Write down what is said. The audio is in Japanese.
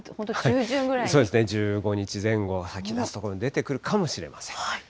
そうですね、１５日前後、咲きだす所、出てくるかもしれません。